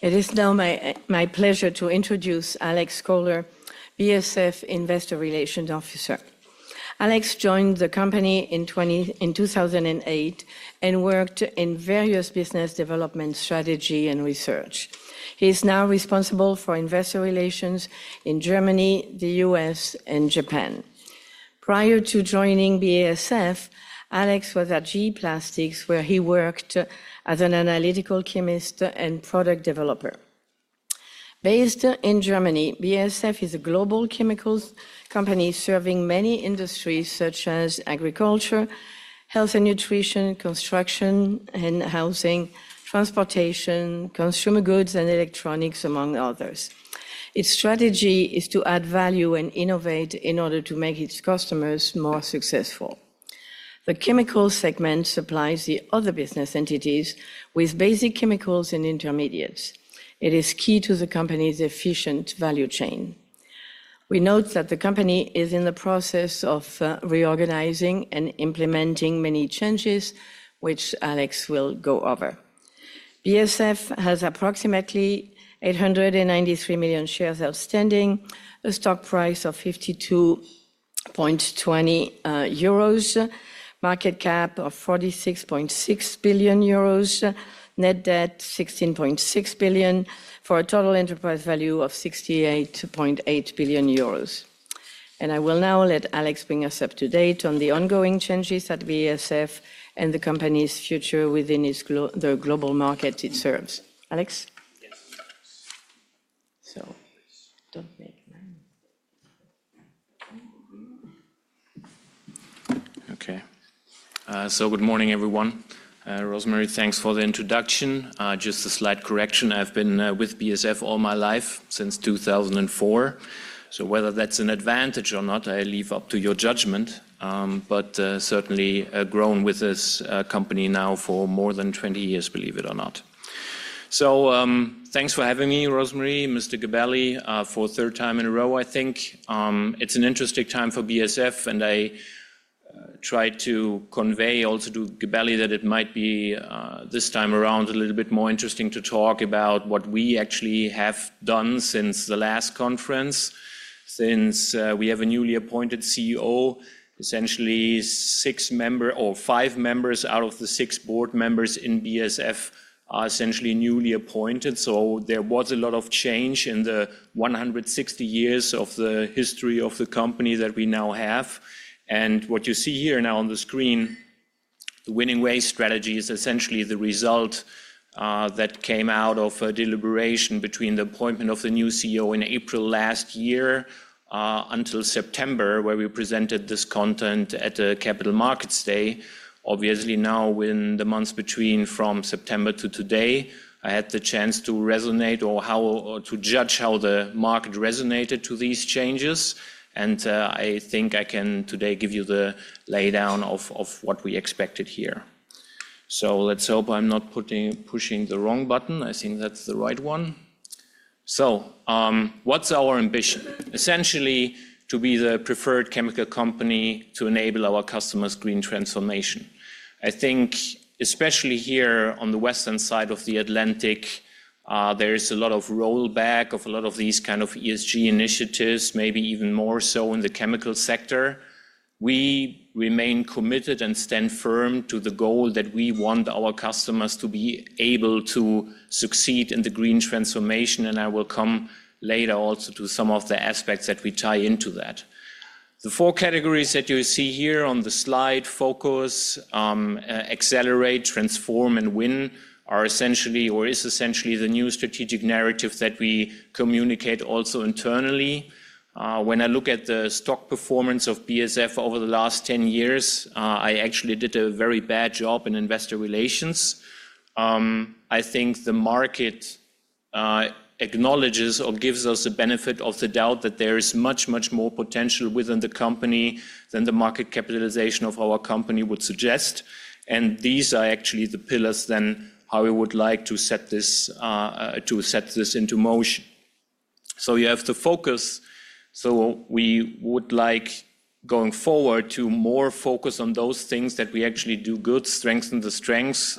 It is now my pleasure to introduce Alex Köhler, BASF Investor Relations Officer. Alex joined the company in 2008 and worked in various business development, strategy, and research. He is now responsible for investor relations in Germany, the US, and Japan. Prior to joining BASF, Alex was at GE Plastics, where he worked as an analytical chemist and product developer. Based in Germany, BASF is a global chemicals company serving many industries such as agriculture, health and nutrition, construction and housing, transportation, consumer goods, and electronics, among others. Its strategy is to add value and innovate in order to make its customers more successful. The Chemicals segment supplies the other business entities with basic chemicals and intermediates. It is key to the company's efficient value chain. We note that the company is in the process of reorganizing and implementing many changes, which Alex will go over. BASF has approximately 893 million shares outstanding, a stock price of 52.20 euros, a market cap of 46.6 billion euros, and a net debt of 16.6 billion, for a total enterprise value of 68.8 billion euros. I will now let Alex bring us up to date on the ongoing changes at BASF and the company's future within the global market it serves. Alex? Yes. Don't make noise. Okay. Good morning, everyone. Rosemary, thanks for the introduction. Just a slight correction: I've been with BASF all my life, since 2004. Whether that's an advantage or not, I leave up to your judgment. Certainly grown with this company now for more than 20 years, believe it or not. Thanks for having me, Rosemary, Mr. Gabelli, for the third time in a row, I think. It's an interesting time for BASF, and I tried to convey also to Gabelli that it might be this time around a little bit more interesting to talk about what we actually have done since the last conference, since we have a newly appointed CEO. Essentially, six members or five members out of the six board members in BASF are essentially newly appointed. There was a lot of change in the 160 years of the history of the company that we now have. What you see here now on the screen, the Winning Ways strategy, is essentially the result that came out of a deliberation between the appointment of the new CEO in April last year until September, where we presented this content at the Capital Markets Day. Obviously, now in the months between from September to today, I had the chance to resonate or to judge how the market resonated to these changes. I think I can today give you the lay down of what we expected here. Let's hope I'm not pushing the wrong button. I think that's the right one. What's our ambition? Essentially, to be the preferred chemical company to enable our customers' green transformation. I think especially here on the western side of the Atlantic, there is a lot of rollback of a lot of these kind of ESG initiatives, maybe even more so in the chemical sector. We remain committed and stand firm to the goal that we want our customers to be able to succeed in the green transformation. I will come later also to some of the aspects that we tie into that. The four categories that you see here on the slide: Focus, Accelerate, Transform, and Win are essentially, or is essentially, the new strategic narrative that we communicate also internally. When I look at the stock performance of BASF over the last 10 years, I actually did a very bad job in investor relations. I think the market acknowledges or gives us the benefit of the doubt that there is much, much more potential within the company than the market capitalization of our company would suggest. These are actually the pillars then how we would like to set this into motion. You have the focus. We would like, going forward, to more focus on those things that we actually do good, strengthen the strengths,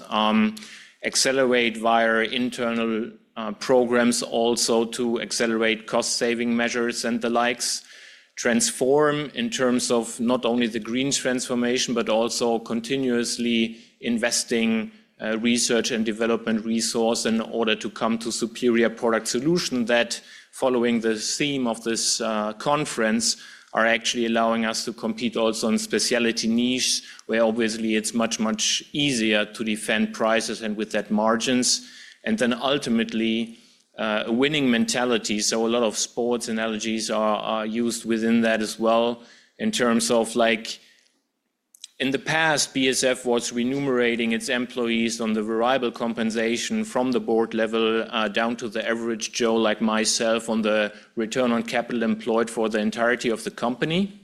accelerate via internal programs also to accelerate cost-saving measures and the likes, transform in terms of not only the green transformation, but also continuously investing research and development resources in order to come to superior product solutions that, following the theme of this conference, are actually allowing us to compete also in specialty niches where obviously it is much, much easier to defend prices and with that margins. Ultimately, a winning mentality. A lot of sports analogies are used within that as well in terms of, like, in the past, BASF was remunerating its employees on the variable compensation from the board level down to the average Joe like myself on the return on capital employed for the entirety of the company.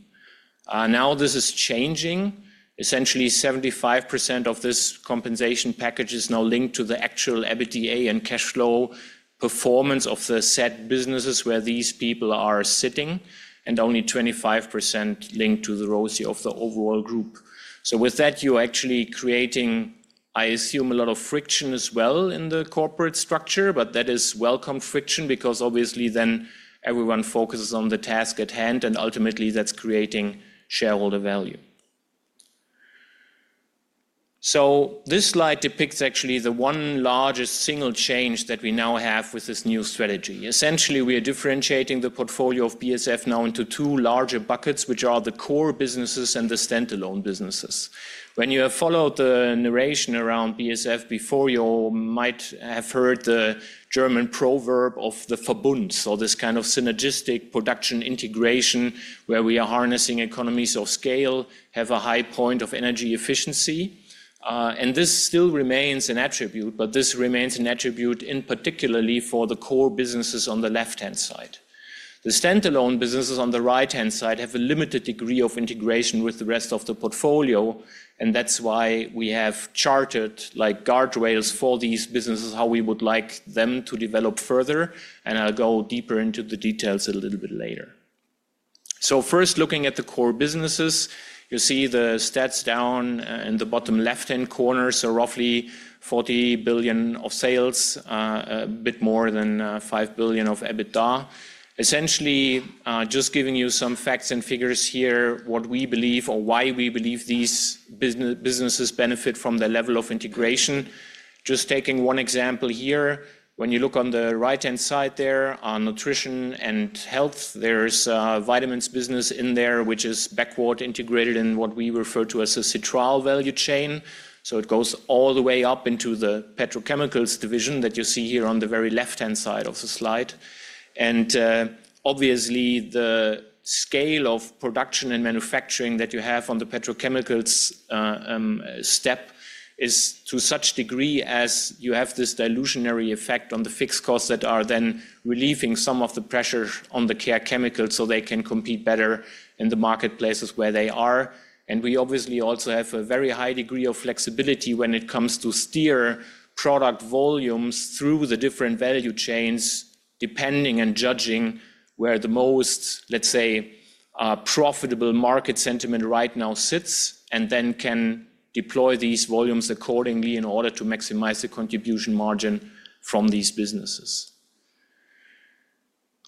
Now this is changing. Essentially, 75% of this compensation package is now linked to the actual EBITDA and cash flow performance of the set businesses where these people are sitting, and only 25% linked to the ROCE of the overall group. With that, you're actually creating, I assume, a lot of friction as well in the corporate structure. That is welcome friction because obviously then everyone focuses on the task at hand, and ultimately that's creating shareholder value. This slide depicts actually the one largest single change that we now have with this new strategy. Essentially, we are differentiating the portfolio of BASF now into two larger buckets, which are the core businesses and the standalone businesses. When you have followed the narration around BASF before, you might have heard the German proverb of the Verbund, so this kind of synergistic production integration where we are harnessing economies of scale, have a high point of energy efficiency. This still remains an attribute, but this remains an attribute particularly for the core businesses on the left-hand side. The standalone businesses on the right-hand side have a limited degree of integration with the rest of the portfolio. That is why we have charted guardrails for these businesses, how we would like them to develop further. I will go deeper into the details a little bit later. First, looking at the core businesses, you see the stats down in the bottom left-hand corner, so roughly 40 billion of sales, a bit more than 5 billion of EBITDA. Essentially, just giving you some facts and figures here, what we believe or why we believe these businesses benefit from the level of integration. Just taking one example here, when you look on the right-hand side there on Nutrition and Health, there is a vitamins business in there, which is backward integrated in what we refer to as a citral value chain. It goes all the way up into the Petrochemicals division that you see here on the very left-hand side of the slide. Obviously, the scale of production and manufacturing that you have on the petrochemicals step is to such degree as you have this dilutionary effect on the fixed costs that are then relieving some of the pressure on the Care Chemicals so they can compete better in the marketplaces where they are. We obviously also have a very high degree of flexibility when it comes to steer product volumes through the different value chains, depending and judging where the most, let's say, profitable market sentiment right now sits, and then can deploy these volumes accordingly in order to maximize the contribution margin from these businesses.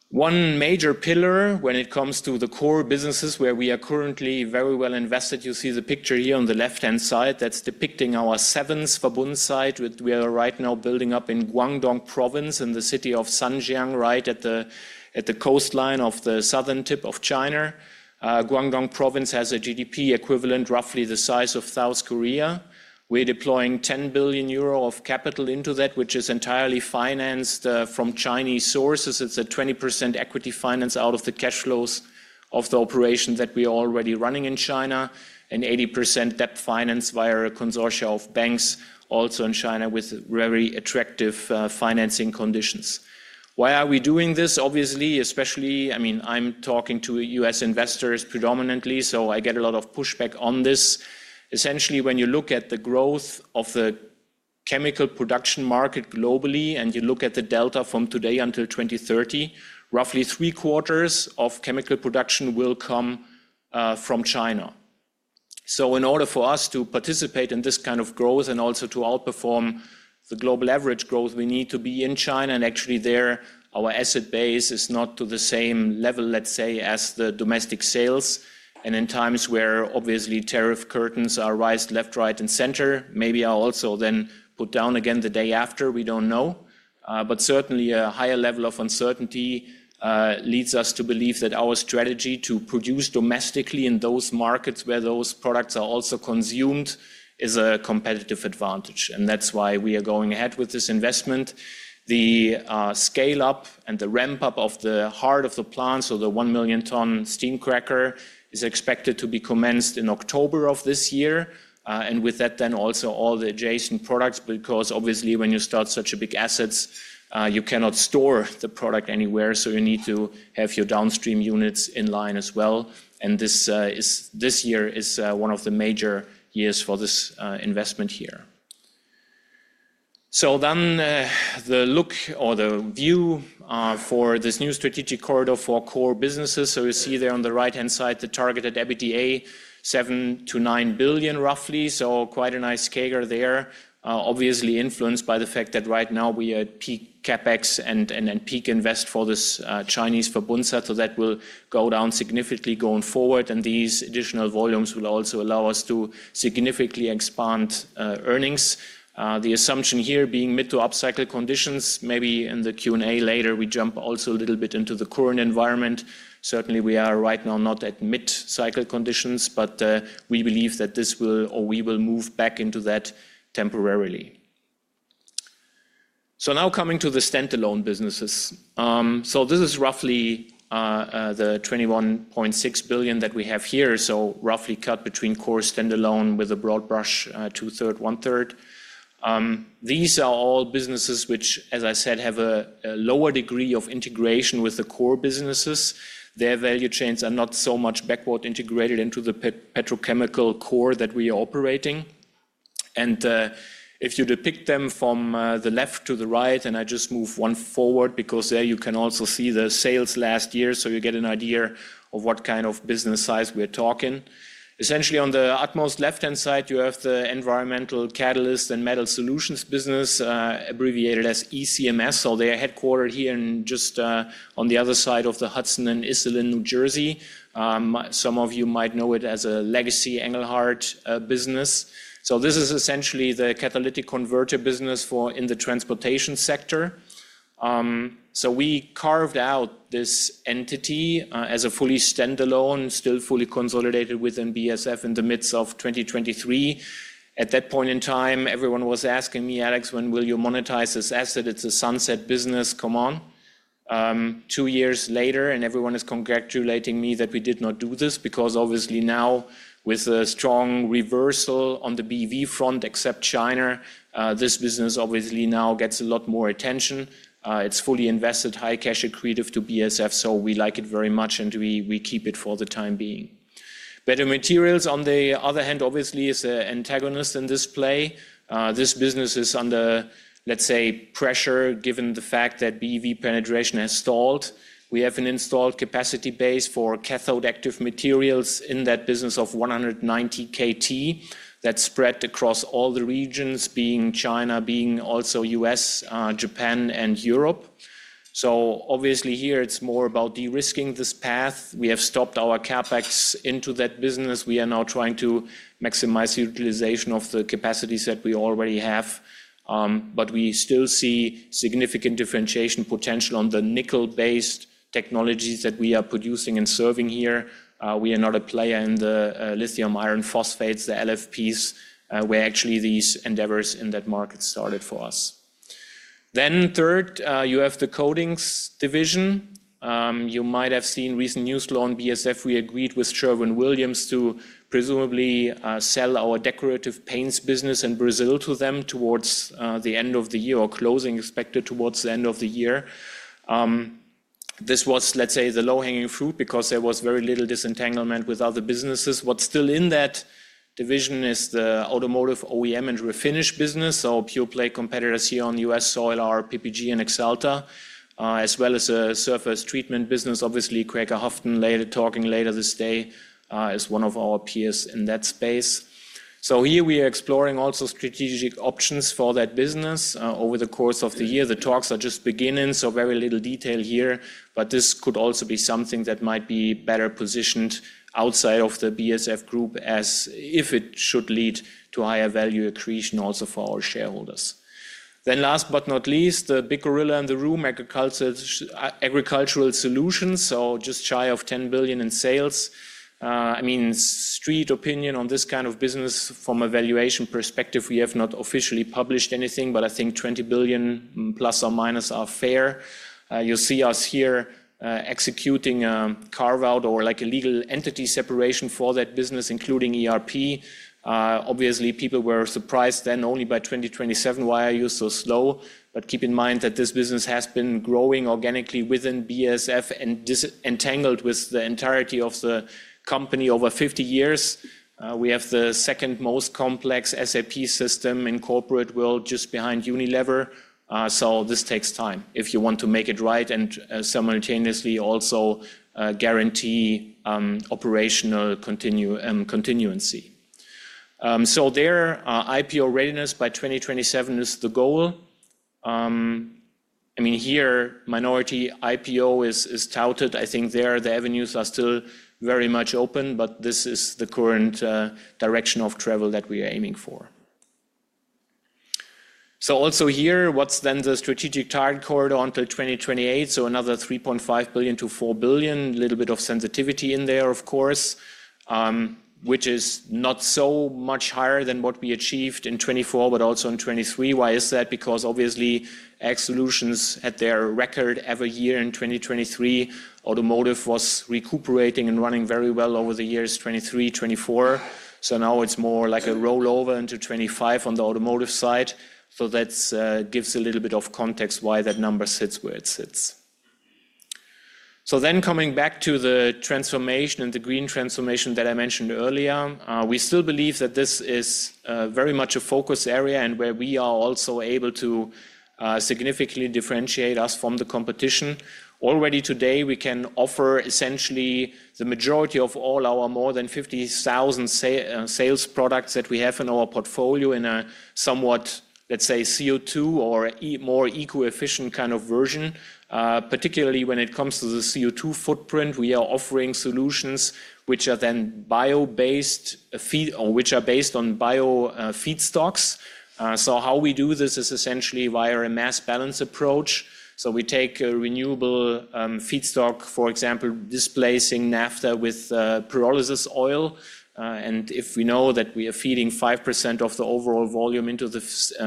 One major pillar when it comes to the core businesses where we are currently very well invested, you see the picture here on the left-hand side that's depicting our seventh Verbund site. We are right now building up in Guangdong Province in the city of Zhanjiang, right at the coastline of the southern tip of China. Guangdong Province has a GDP equivalent roughly the size of South Korea. We are deploying 10 billion euro of capital into that, which is entirely financed from Chinese sources. It is a 20% equity finance out of the cash flows of the operation that we are already running in China and 80% debt finance via a consortia of banks also in China with very attractive financing conditions. Why are we doing this? Obviously, especially, I mean, I am talking to US investors predominantly, so I get a lot of pushback on this. Essentially, when you look at the growth of the chemical production market globally and you look at the delta from today until 2030, roughly three quarters of chemical production will come from China. In order for us to participate in this kind of growth and also to outperform the global average growth, we need to be in China. Actually, there, our asset base is not to the same level, let's say, as the domestic sales. In times where obviously tariff curtains are raised left, right, and center, maybe are also then put down again the day after, we do not know. Certainly, a higher level of uncertainty leads us to believe that our strategy to produce domestically in those markets where those products are also consumed is a competitive advantage. That is why we are going ahead with this investment. The scale-up and the ramp-up of the heart of the plant, so the one million-ton steam cracker, is expected to be commenced in October of this year. With that, then also all the adjacent products, because obviously when you start such a big asset, you cannot store the product anywhere. You need to have your downstream units in line as well. This year is one of the major years for this investment here. The look or the view for this new strategic corridor for core businesses, you see there on the right-hand side the targeted EBITDA, 7 billion-9 billion roughly. Quite a nice CAGR there. Obviously influenced by the fact that right now we are at peak CapEx and peak invest for this Chinese Verbund site. That will go down significantly going forward. These additional volumes will also allow us to significantly expand earnings. The assumption here being mid to upcycle conditions. Maybe in the Q&A later, we jump also a little bit into the current environment. Certainly, we are right now not at mid-cycle conditions, but we believe that this will, or we will move back into that temporarily. Now coming to the standalone businesses. This is roughly the 21.6 billion that we have here. Roughly cut between core standalone with a broad brush, two-thirds, one-third. These are all businesses which, as I said, have a lower degree of integration with the core businesses. Their value chains are not so much backward integrated into the petrochemical core that we are operating. If you depict them from the left to the right, and I just move one forward because there you can also see the sales last year, you get an idea of what kind of business size we are talking. Essentially, on the utmost left-hand side, you have the Environmental Catalyst and Metal Solutions business, abbreviated as ECMS. They are headquartered here just on the other side of the Hudson in Iselin, New Jersey. Some of you might know it as a legacy Engelhard business. This is essentially the catalytic converter business in the transportation sector. We carved out this entity as a fully standalone, still fully consolidated within BASF in the midst of 2023. At that point in time, everyone was asking me, "Alex, when will you monetize this asset? It's a sunset business. Come on." Two years later, and everyone is congratulating me that we did not do this because obviously now with a strong reversal on the BEV front, except China, this business obviously now gets a lot more attention. It is fully invested, high cash equity to BASF. We like it very much, and we keep it for the time being. Battery Materials, on the other hand, obviously is an antagonist in this play. This business is under, let's say, pressure given the fact that BEV penetration has stalled. We have an installed capacity base for cathode active materials in that business of 190 KT that's spread across all the regions, being China, being also US, Japan, and Europe. Obviously here, it's more about de-risking this path. We have stopped our CapEx into that business. We are now trying to maximize utilization of the capacities that we already have. We still see significant differentiation potential on the nickel-based technologies that we are producing and serving here. We are not a player in the lithium iron phosphates, the LFPs, where actually these endeavors in that market started for us. Third, you have the Coatings division. You might have seen recent news flow in BASF. We agreed with Sherwin-Williams to presumably sell our Decorative Paints business in Brazil to them towards the end of the year or closing expected towards the end of the year. This was, let's say, the low-hanging fruit because there was very little disentanglement with other businesses. What's still in that division is the Automotive OEM and Refinish business. Pure play competitors here on US soil are PPG and Axalta, as well as a Surface Treatment business. Obviously, Quaker Houghton, later talking later this day, is one of our peers in that space. Here we are exploring also strategic options for that business over the course of the year. The talks are just beginning, so very little detail here. This could also be something that might be better positioned outside of the BASF group as if it should lead to higher value accretion also for our shareholders. Last but not least, the big gorilla in the room, Agricultural Solutions. Just shy of $10 billion in sales. I mean, street opinion on this kind of business from a valuation perspective, we have not officially published anything, but I think $20 billion plus or minus are fair. You see us here executing a carve-out or like a legal entity separation for that business, including ERP. Obviously, people were surprised then only by 2027, why are you so slow? Keep in mind that this business has been growing organically within BASF and disentangled with the entirety of the company over 50 years. We have the second most complex SAP system in the corporate world, just behind Unilever. This takes time if you want to make it right and simultaneously also guarantee operational continuity. There, IPO readiness by 2027 is the goal. I mean, here minority IPO is touted. I think there the avenues are still very much open, but this is the current direction of travel that we are aiming for. Also here, what's then the strategic target corridor until 2028? Another 3.5 billion-4 billion, a little bit of sensitivity in there, of course, which is not so much higher than what we achieved in 2024, but also in 2023. Why is that? Because obviously Ag Solutions had their record every year in 2023. Automotive was recuperating and running very well over the years 2023, 2024. Now it is more like a rollover into 2025 on the automotive side. That gives a little bit of context why that number sits where it sits. Then coming back to the transformation and the green transformation that I mentioned earlier, we still believe that this is very much a focus area and where we are also able to significantly differentiate us from the competition. Already today, we can offer essentially the majority of all our more than 50,000 sales products that we have in our portfolio in a somewhat, let's say, CO2 or more eco-efficient kind of version. Particularly when it comes to the CO2 footprint, we are offering solutions which are then bio-based, which are based on bio feedstocks. How we do this is essentially via a mass balance approach. We take a renewable feedstock, for example, displacing naphtha with pyrolysis oil. If we know that we are feeding 5% of the overall volume into the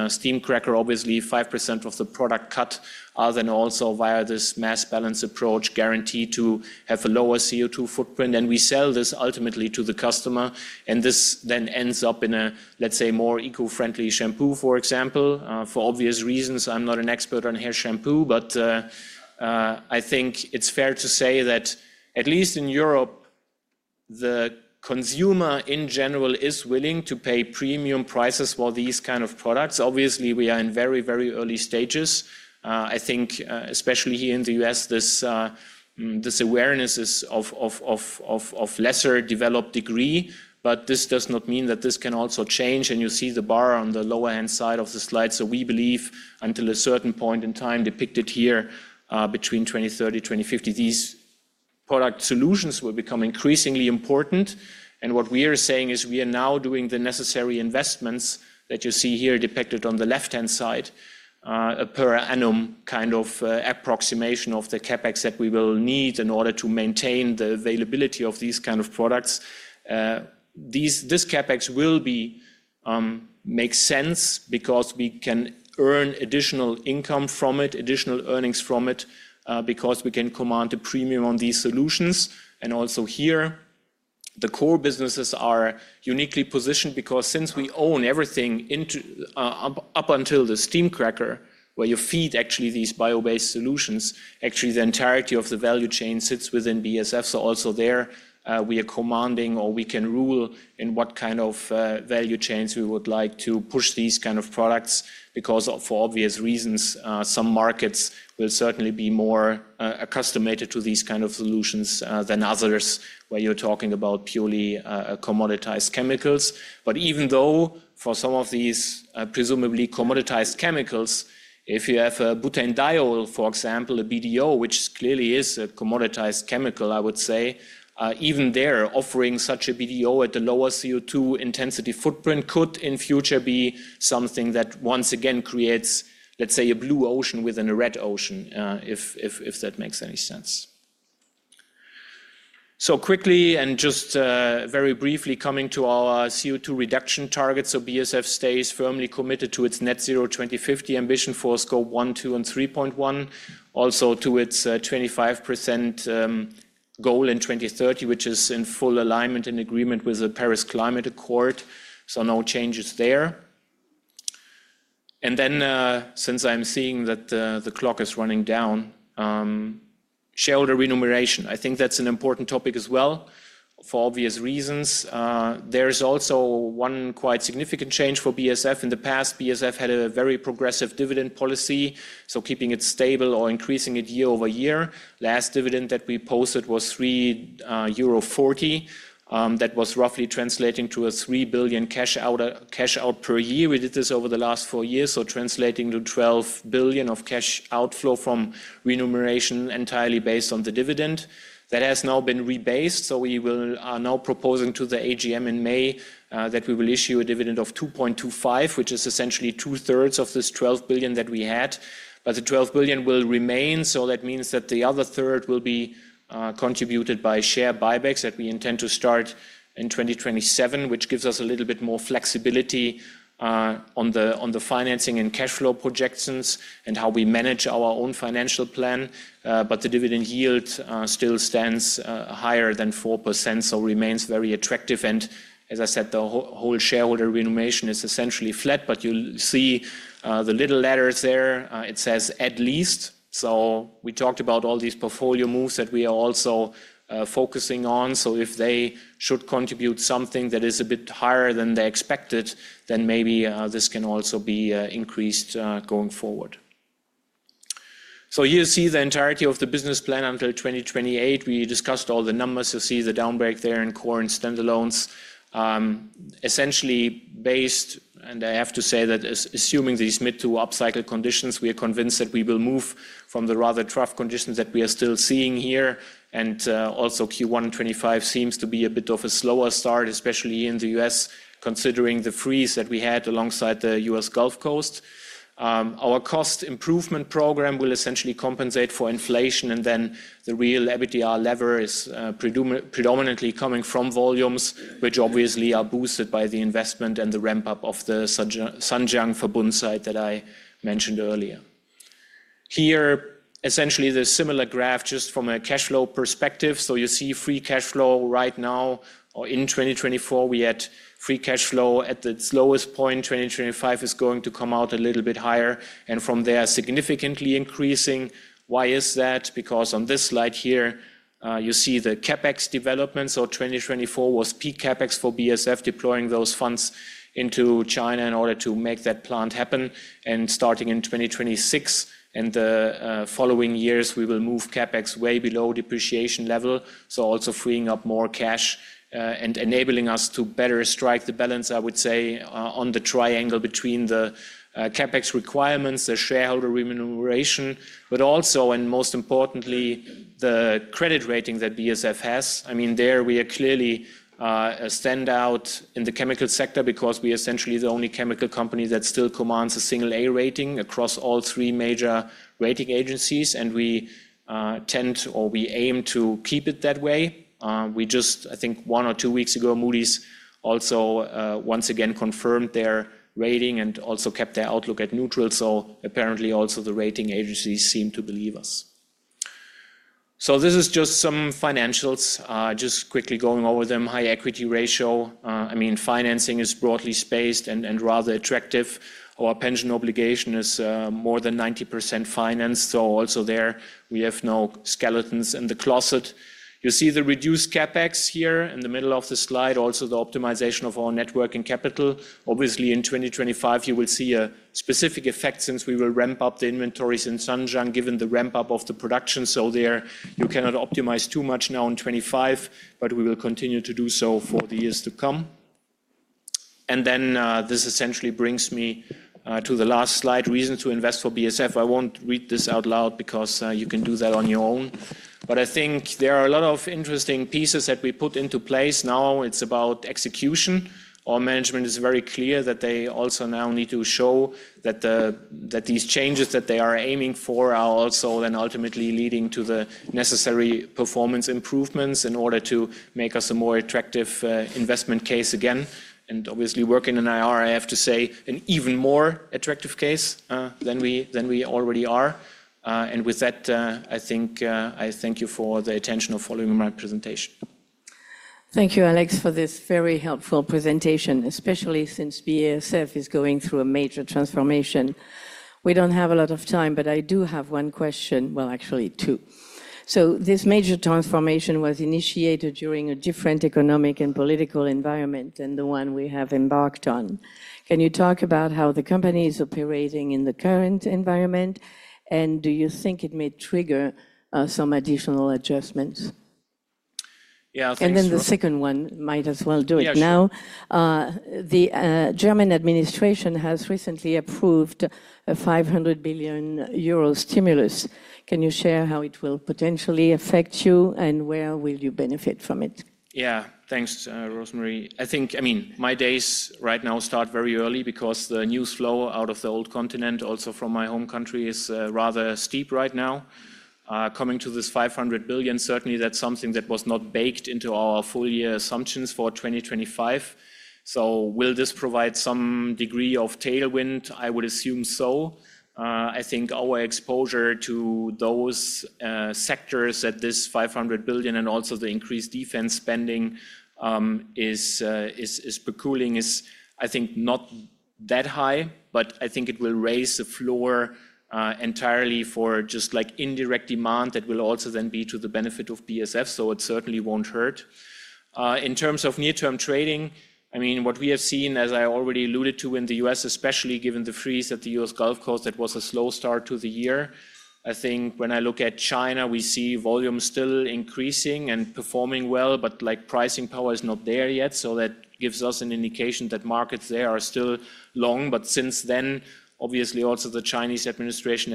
steam cracker, obviously 5% of the product cut are then also via this mass balance approach guaranteed to have a lower CO2 footprint. We sell this ultimately to the customer. This then ends up in a, let's say, more eco-friendly shampoo, for example. For obvious reasons, I'm not an expert on hair shampoo, but I think it's fair to say that at least in Europe, the consumer in general is willing to pay premium prices for these kinds of products. Obviously, we are in very, very early stages. I think especially here in the U.S., this awareness is of lesser developed degree. This does not mean that this can also change. You see the bar on the lower-hand side of the slide. We believe until a certain point in time depicted here between 2030, 2050, these product solutions will become increasingly important. What we are saying is we are now doing the necessary investments that you see here depicted on the left-hand side, a per annum kind of approximation of the CapEx that we will need in order to maintain the availability of these kinds of products. This CapEx will make sense because we can earn additional income from it, additional earnings from it, because we can command a premium on these solutions. Also here, the core businesses are uniquely positioned because since we own everything up until the steam cracker, where you feed actually these bio-based solutions, actually the entirety of the value chain sits within BASF. Also there, we are commanding or we can rule in what kind of value chains we would like to push these kinds of products because for obvious reasons, some markets will certainly be more accustomated to these kinds of solutions than others where you're talking about purely commoditized chemicals. Even though for some of these presumably commoditized chemicals, if you have a butanediol, for example, a BDO, which clearly is a commoditized chemical, I would say, even there offering such a BDO at a lower CO2 intensity footprint could in future be something that once again creates, let's say, a blue ocean within a red ocean, if that makes any sense. Quickly and just very briefly coming to our CO2 reduction targets. BASF stays firmly committed to its net zero 2050 ambition for scope one, two, and 3.1, also to its 25% goal in 2030, which is in full alignment and agreement with the Paris Climate Accord. No changes there. Since I'm seeing that the clock is running down, shareholder remuneration, I think that's an important topic as well for obvious reasons. There is also one quite significant change for BASF. In the past, BASF had a very progressive dividend policy, keeping it stable or increasing it year over year. Last dividend that we posted was 3.40 euro. That was roughly translating to a 3 billion cash out per year. We did this over the last four years, translating to 12 billion of cash outflow from remuneration entirely based on the dividend. That has now been rebased. We will now be proposing to the AGM in May that we will issue a dividend of 2.25, which is essentially two-thirds of this 12 billion that we had. The 12 billion will remain. That means that the other third will be contributed by share buybacks that we intend to start in 2027, which gives us a little bit more flexibility on the financing and cash flow projections and how we manage our own financial plan. The dividend yield still stands higher than 4%, so remains very attractive. As I said, the whole shareholder remuneration is essentially flat, but you'll see the little letters there. It says at least. We talked about all these portfolio moves that we are also focusing on. If they should contribute something that is a bit higher than they expected, maybe this can also be increased going forward. Here you see the entirety of the business plan until 2028. We discussed all the numbers. You see the downbreak there in core and standalones. Essentially based, and I have to say that assuming these mid-to-up cycle conditions, we are convinced that we will move from the rather tough conditions that we are still seeing here. Also, Q1 and 2025 seem to be a bit of a slower start, especially in the U.S., considering the freeze that we had alongside the U.S. Gulf Coast. Our cost improvement program will essentially compensate for inflation. The real EBITDA lever is predominantly coming from volumes, which obviously are boosted by the investment and the ramp-up of the Zhanjiang Verbund site that I mentioned earlier. Here, essentially there's a similar graph just from a cash flow perspective. You see free cash flow right now. In 2024, we had free cash flow at the lowest point. 2025 is going to come out a little bit higher and from there significantly increasing. Why is that? Because on this slide here, you see the CapEx development. 2024 was peak CapEx for BASF deploying those funds into China in order to make that plant happen. Starting in 2026 and the following years, we will move CapEx way below depreciation level. Also freeing up more cash and enabling us to better strike the balance, I would say, on the triangle between the CapEx requirements, the shareholder remuneration, but also and most importantly, the credit rating that BASF has. I mean, there we are clearly a standout in the chemical sector because we are essentially the only chemical company that still commands a single A rating across all three major rating agencies. We tend or we aim to keep it that way. We just, I think one or two weeks ago, Moody's also once again confirmed their rating and also kept their outlook at neutral. Apparently also the rating agencies seem to believe us. This is just some financials. Just quickly going over them. High equity ratio. I mean, financing is broadly spaced and rather attractive. Our pension obligation is more than 90% financed. Also there we have no skeletons in the closet. You see the reduced CapEx here in the middle of the slide, also the optimization of our net working capital. Obviously in 2025, you will see a specific effect since we will ramp up the inventories in Zhanjiang given the ramp-up of the production. There you cannot optimize too much now in 2025, but we will continue to do so for the years to come. This essentially brings me to the last slide. Reason to invest for BASF. I will not read this out loud because you can do that on your own. I think there are a lot of interesting pieces that we put into place. Now it is about execution. Our management is very clear that they also now need to show that these changes that they are aiming for are also then ultimately leading to the necessary performance improvements in order to make us a more attractive investment case again. Obviously working in IR, I have to say, an even more attractive case than we already are. With that, I thank you for the attention of following my presentation. Thank you, Alex, for this very helpful presentation, especially since BASF is going through a major transformation. We do not have a lot of time, but I do have one question. Actually, two. This major transformation was initiated during a different economic and political environment than the one we have embarked on. Can you talk about how the company is operating in the current environment? Do you think it may trigger some additional adjustments? Yeah, thanks. The second one, I might as well do it now. The German administration has recently approved 500 million euro stimulus. Can you share how it will potentially affect you and where you will benefit from it? Yeah, thanks, Rosemary. I think, I mean, my days right now start very early because the news flow out of the old continent, also from my home country, is rather steep right now. Coming to this 500 million, certainly that's something that was not baked into our full year assumptions for 2025. Will this provide some degree of tailwind? I would assume so. I think our exposure to those sectors at this 500 billion and also the increased defense spending is becooling, is I think not that high, but I think it will raise the floor entirely for just like indirect demand that will also then be to the benefit of BASF. It certainly won't hurt. In terms of near-term trading, I mean, what we have seen, as I already alluded to in the U.S., especially given the freeze at the U.S. Gulf Coast, that was a slow start to the year. I think when I look at China, we see volume still increasing and performing well, but like pricing power is not there yet. That gives us an indication that markets there are still long. Since then, obviously also the Chinese administration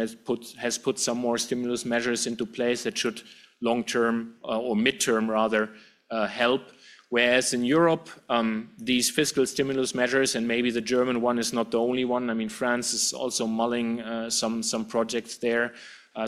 has put some more stimulus measures into place that should long-term or mid-term rather help. Whereas in Europe, these fiscal stimulus measures and maybe the German one is not the only one. I mean, France is also mulling some projects there.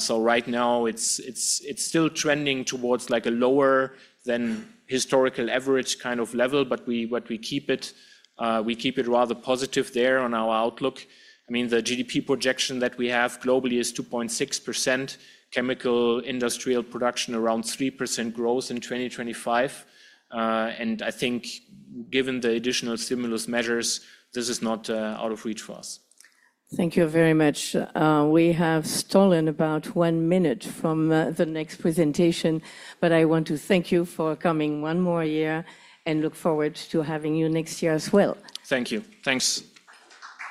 Right now it's still trending towards like a lower than historical average kind of level, but we keep it rather positive there on our outlook. I mean, the GDP projection that we have globally is 2.6%, chemical industrial production around 3% growth in 2025. I think given the additional stimulus measures, this is not out of reach for us. Thank you very much. We have stolen about one minute from the next presentation, but I want to thank you for coming one more year and look forward to having you next year as well. Thank you. Thanks.